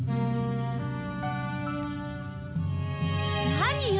何よ？